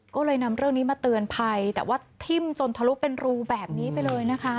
ก็เลยนำเรื่องนี้มาเตือนภัยแต่ว่าทิ่มจนทะลุเป็นรูแบบนี้ไปเลยนะคะ